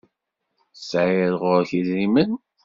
Tesεiḍ ɣur-k idrimen?